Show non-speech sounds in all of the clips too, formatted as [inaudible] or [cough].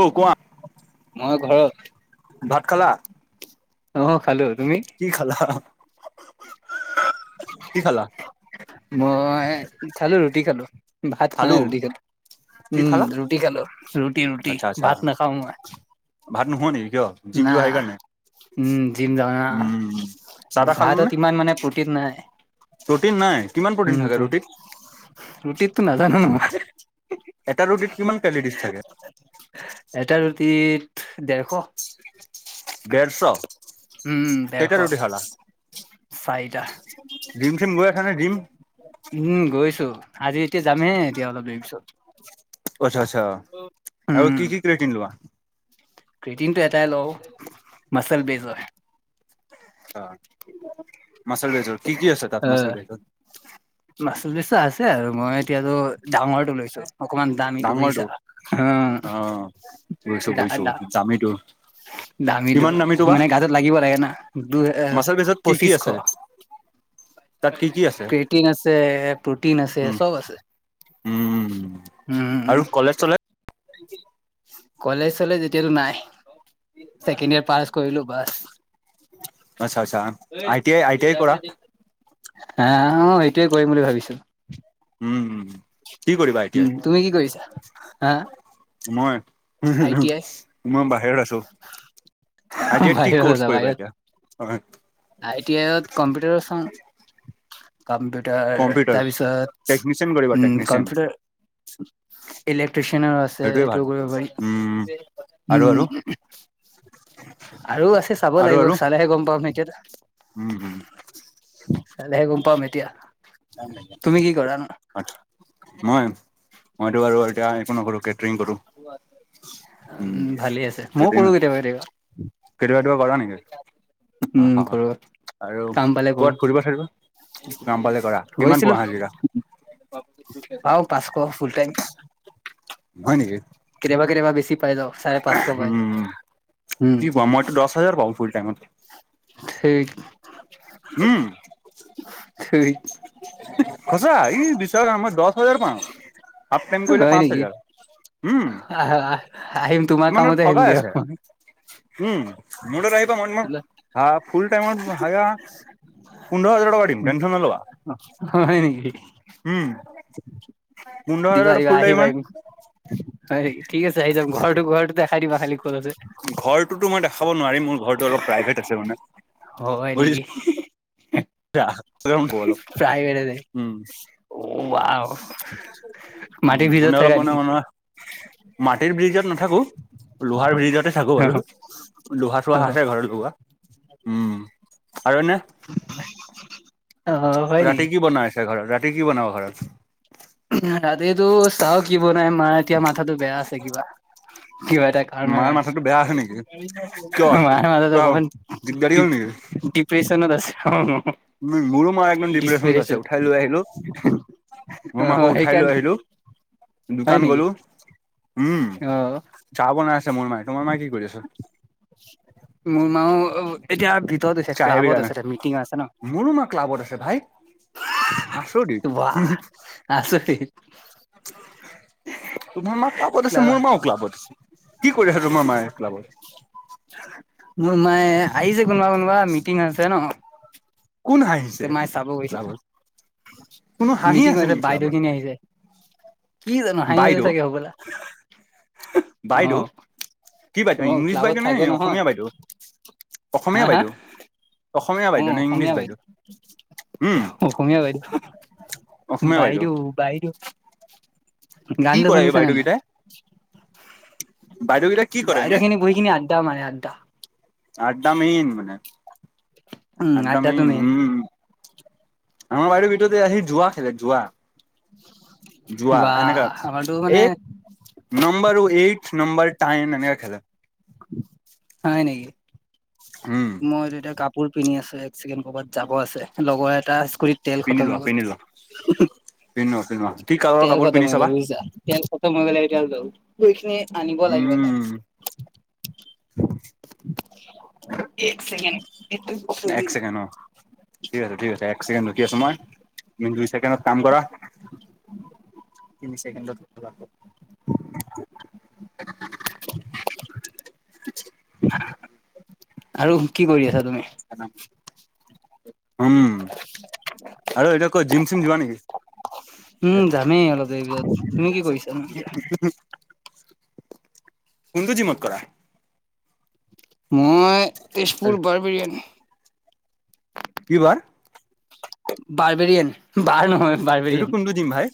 অ কোৱা। মই ঘৰত। ভাত খালা? অ খালোঁ। কি খালা হা হা। কি খালা। মই খালোঁ ৰুটি খালোঁ ভাত খোৱা খালো নাই ৰুটি খালোঁ। কি উম খালা ৰুটি খালো ৰুটি ৰুটি আচ্ছা আচ্ছা ভাত নাখাওঁ মই। ভাত নোখোৱা নেকি কিয় জিম না যোৱা সেইকাৰণে। উম জিম যাওঁ না উম চাহ তাহ খালা ভাতত নে ইমান মানে প্ৰটিত নাই। প্ৰটিন নাই কিমান প্ৰটিন উম থাকে ৰুটিত। ৰুটিতটো নাজানো নহয়। এটা ৰুটিত কিমান কেলৰিছ থাকে। ইত ডেৰশ। ডেৰশ উম ডেৰখ কেইটা ৰুটি খালা চাৰিটা। জিম চিম গৈ আছ নে জিম? উম গৈছো আজি এতিয়া যামহে এতিয়া অলপ দেৰি পিছত আচ্ছা আচ্ছা আৰু কি কি ক্ৰিৰেটিং লোৱা? ক্ৰিটিনটো এটাই লও মাচল বেজ হয়। মাছল ভেজৰ কি কি আছে তাত মাচাল ভেজৰ চলিছে আছে আৰু মই এতিয়াতো ডাঙৰটো লৈছোঁ অকমান দামী এইটো বুইছা ডাঙৰটো অ দা দা দামিটো? দামীটো মানে গাতত লাগিব লাগে না দুই মাচল বেজত কি কি পঁচিশশ আছে [inaudible] কি কি আছে প্ৰেটিন আছে প্ৰোটিন আছে উম চব আছে। উম উম আৰু কলেজ চলে কলেজ চলেজ এতিয়াতো নাই। চেকেণ্ড ইয়াৰ পছ কৰিলো বছ আচ্ছা আচ্ছা আ টি আ আই টি আই কৰা হা অ সেইটোৱে কৰিম বুলি ভাবিছো। উম উম উম। কি কৰিবা আই টি উ আইত তুমি কি কৰিছা হা‌? মই মই বাহ খ আছো আই তি য়াত কি বাহিৰত কৰ্ছ আছা কৰিবা বাহিৰত এতিয়া অ আই টি আইত কম্পিউটাৰ চাও, কম্পিউটাৰ কম্পিউটাৰ তাৰপিছত টেকনিচিয়ান কৰিবা উম টেকনিচিয়ান কম্পউটাৰ ইলেক্ট্ৰিচিয়ন আছে সেইটোৱে ভাল সেইটো কৰিব উম পাৰি আৰু আৰু উম আৰু আছে চাব আৰু লাগিব আৰু চালেহে গম পাম এতিয়া ট কাইলেহে গম পাম এতিয়া। আ তুমি কি কৰা নো? মইয় মইতটো বাৰু এতিয়া একো নকৰো। কেটাৰিং কৰো উ উ উম ভালে আছে ময়ও কৰো কেতিয়াবা কেতিয়াবা। কেতিযাবি কেতিয়াবা কৰা নেকি? অহ উম কৰো আৰু কাম পালে কৰো। ক'বাত ফুৰিব চুৰিব কাম পালে কৰা কিমান পোৱা গৈছিলো। হাজিৰা ৱাও‌ পাঁচ ক ফুলটাইম, হয়নেকি? কেতিযাবা কেতিযাবা বেছি পাইযাও চাৰে পাঁচশ পাই যাওঁ উম উম, কি কোৱা মইতো দহ হাজাৰ পাওঁ ফুল টাইমত ঠেইত, উম [inaudible] ঠেইত সঁচা ই বিশ্বাস আমাৰ দশ হাজাৰ পাওঁ। হাফ টাইম কৰিলে হয় পাঁচ নেকি? হাজাৰ উম। আহা আহ আহিম তোমাৰ ইমানটোত কামতে আহিম ঠগাই দিয়া। আছে উম মোৰ লগত আহিবা মই, তোমাক হা ফুল টাইমত হা পোন্ধৰ হাজাৰ টকা দিম টেনচন নলবা। হয় নেকি? উম পোন্ধৰ হাজাৰ দিবাৰী বা ফুল আহি টাইমৰ পাইম হয় নেকি? ঠিক আছে আহি যাম ঘৰটো ঘৰটো দেখাই দিবা খালি ক'ত আছে? ঘৰটোতো মই দেখাব নোৱাৰিম মোৰ ঘৰটো অলপ প্ৰাইভেট আছে মানে, হয় নেকি? বুজিছা অলপ প্ৰায় বেটতে [unintelligible] উ মাটিৰ ভিতৰত গুনে অলপ থাকা ক ন নেকি? ম [unintelligible] মাটিৰ ব্ৰিজত নাথাকো, লোহাৰ ব্ৰীজতে থাকো বাৰু লোহা চোহা অ', আছে ঘৰত লগোৱা। উম আৰু এনে আহ হয় ৰাতি নেকি? কি বনাইছে ঘৰত ৰাতি কি বনাব ঘৰত? ৰাতিটো চাও কি বনাই ম এতিয়া মাথাতটো বেয়া আছে কিবা। কিবা এটা কাৰনৰ মাৰ মাথাটো বেয়া আছে নেকি কিয় কাৰনে মান মাজ ত কিবা দিগদাৰি হ'ল নেকি ডিপ্ৰেচনত আছে। মোৰো মাৰ একদম ডিপ্ৰেছনত আছে ডিচপিৰেচন উঠাই লৈ আহিলো। অ মোৰ মাকো উঠাই লৈ সেইকাৰণে আহিলো। হয় দোকান নেকি গলো উম অ চাহ বনাই আছে মোৰ মায়ে। তোমাৰ মাই কি কৰি আছে? অ এতিয়া ভিতৰত আছে চাহে ক্লাবত বিধানে আছে এটা মিটিং আছে ন মোৰো মা ক্লাবত আছে ভাই। বাহ আছৰিত। আচৰিত [inaudible] তোমাৰ মাক ক্লাবত আছে মোৰ মাও ক্লাবত আছে কি কৰি মোৰ মায়ে ক্লাবত [unintelligible] মোৰ মাই আহিছে কোনোবা কোনোবা মিটিং আছে ন। কোন হাঁহিছে তে মায়ে চাব গৈছে ক্লাবত কোনো হাঁহি মিটিং আছে হৈছে নেকি বাইদেউ ক্লাবত? খিনি আহিছে কি জানো হাঁহি আছে চাগে হ'বলা [unintelligible] অ বাইদ কি বাইদেউ অ ইংলিছ ক্লাবত বাইদেউ নে থাকে নহয় অসমীয়া বাইদেউ হা অসমীয়া হা বাইদেউ। অসমীয়া অ বাইদে নে ইংলিশ অসমীয়া বাইদউ বাইদেউ হম? অসমীয়া বাইদেউ বাইদেউ বাইদউ কি গানটো কৰে এই শুনিছানে নাই? বাইদেউকেইটাই বাইদেউকেইটা কি কৰে এনে বাহিৰখিনি বহি কিনি আড্ডা মানে আড্ডা। আড্ডা মেইন মানে। উম একদমেই আড্ডাটো উম মেইন আমাৰ বাইিৰ ভিতৰতে আহি যোৱা খেলে যোৱা। যোৱা বা এনেকা আমাৰতো মানে এক নম্বৰ এইট নম্বৰ তাই ননেক খেলা [inaudible] হয় নেকি? উম মই তেতিয়া কাপোৰ পিন্ধি আছো। চে ক'ৰবাত যাব আছে লগৰ এটা স্কুতিত তেল পিন্ধি খতম হৈ লোৱা গল। পিন্ধি লোৱা পিন্ধি লোৱা পিন্ধি লোৱা কি কালাৰৰ তেল কাপোৰ খতম পিন্ধি হৈ গল চাবা বুইচা, তেল খতম হৈ গলে সেইখিনি আনিব লাগিব তাক উম এক চেকেণ্ড। এক ছেকেণ্ড অ। ঠিক আছে ঠিক আছে এক ছেকেণ্ড ৰকি আছো মই তুমি দুই ছেকেণ্ডত কাম কৰা। তিনি চেকেনড [inaudible] [unintelligible] আৰু কি কৰি আছা তুমি? উম আৰু এতিয়া কৈ জিম চিম যোবা নেকি? উম যামেই অলপ দেৰি পিছত তুমি কি কৰিছা কোনটো যিমত কৰা। মই তেজপুৰ বাৰ বিৰিয়ানী কি বাৰ বাৰ বেৰীয়েন বাৰ নহয় এইটো বাৰ্বেৰিয়ান কোনটো জিম ভাই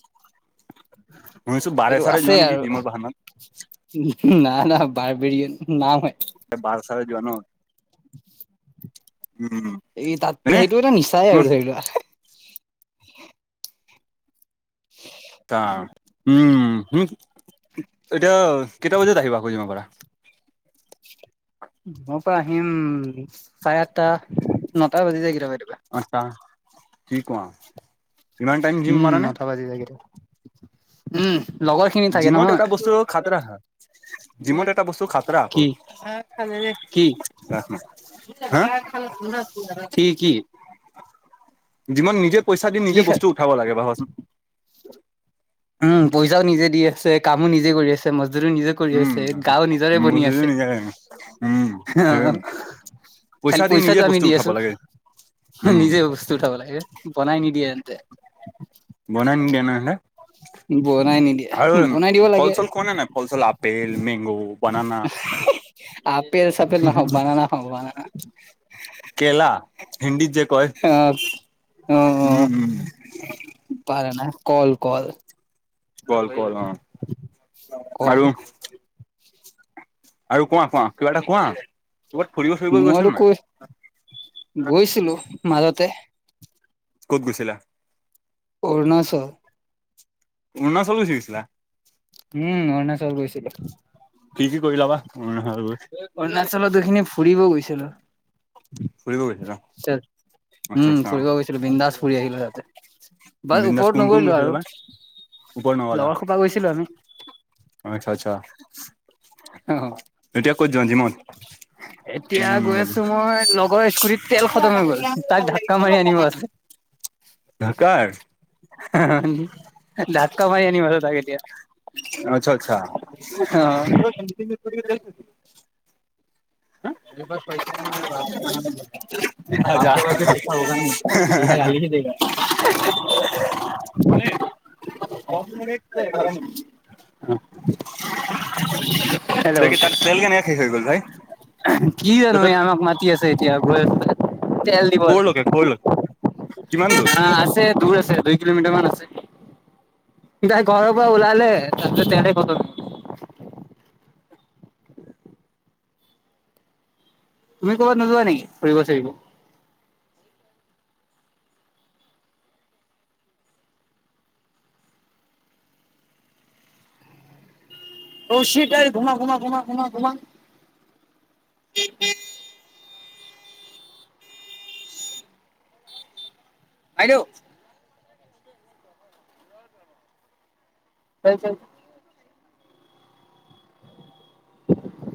মই ছো বাৰে এইটো চাৰে আছে যোৱা নেকি আৰু যিমৰ বাহানাত না না বাৰ্বেৰিয়ন নাম হয় ত বাৰ চালে যোৱা ন। উম এই তাত এনে সেইটো এটা নিচাই আৰু ধৰি লোৱা। ত উমম এতিয়া কেইটা বজাত আহিবা আকৌ যিমৰ পাৰা। জিমৰ পৰা আহিম চাৰে আঠটা নটা বাজি যায় কেতিয়াবা কেতিয়াবা। আচ্ছা কি কোৱা ইমান টাইম জিম উম মাৰা নে নটা বাজি যায় কেতিয়াবা উম লগৰ খিনি থাকে জিমত নহয় এটা বস্তু খাতৰা হা। জিমত এটা বস্তু খাতৰা আক। কি কি কি কি? যিমান নিজে পইচা দি নিজে কি বস্তু উঠাব লাগে ভাবাচোন। উম পইচাও নিজে দি আছে কামো নিজে কৰি আছে ম। নিজে কৰি উম আছে, গাও নিজৰে বনি বুজিলো আছে নিজে আহ। উম খালি পইচা দি নিজে পইচাটো আমি বস্তু দি উঠাব আছো। লাগে উম নিজে বস্তু উঠাব লাগে বনাই নিদিয়ে তেন্তে। বনাই নিদিয়ে নহলে। বনাই নিদিয়ে আৰু বনাই দিব লাগে ফল চল খোৱা নে নাই ফলচল apple, mango, banana. Apple চাপেল নাখাও, বানানা খাও বনানা। কেলা হিন্দীত যে কয় অ অ অ উম উম পাৰ ন। কল কল। কল কল অ কল আৰু আৰু কোৱা কোৱা কিবা এটা কোৱা। ক'ৰবাত ফুৰিব চুৰিব গৈছা মইতো নে নাই কৈ গৈছিলো মাজতে, ক'ত গৈছিলা? অৰুণাচল। অৰুণাচল গুচি গৈছিলা উম অৰুণাচল গৈছিলো। কি কি কৰিলা বা? অৰুণাচল গৈ অৰুণাচলত দুখিনি ফুৰিব গৈছিলো। ফুৰিব গৈছিলা আচ্ছা উম আচ্ছা ফুৰিব গৈছিলো, বিন্দাছ ফুৰি আহিলো হিয়াতে। বাৰ বিন্দাছ ওপৰত কোন কোন নগৰিলো গৈছিলে আৰু বা ওপৰত নগলা লগৰ সোপা গৈছিলো আমি। আচ্ছা আচ্ছা। অ', এতিয়া কত যোৱা, জিমত? এতিয়া গৈ আছো মই উম লগৰ স্কুটিত তেল খতম হৈ গ'ল তাক [unintelligible] ধাক্কা মাৰি আনিব আছে [unintelligible] ঢাকাৰ দাতকমা [unintelligible] ইনোভাৰচত থাকে এতিয়া আচ্ছা আচ্ছা। [unintelligible] কালিকে দেগা দচ মিনট ঘ ম [unintelligible] [unintelligible] তই কি হেল্ল' তাত তেল কেনে শেষ হৈ গ'ল ভাই? কি জানো এই আমাক মাতি আছে এতিয়া গৈ তেল কৰ দিবলে। লৈকে কৰ লৈকে কিমান দূৰ না আছে দূৰ আছে দুই কিলোমিটাৰ মান আছে। তাই ঘৰৰ পৰা ওলালে, তাৰ পাছত তেল খতম। তুমি ক'বাত নোযোৱা নেকি ফুৰিব চুৰিব? অটাই ঘম ঘম ঘম ঘম ঘম [unintelligible] আইদেউ কাই চ [unintelligible] [unintelligible]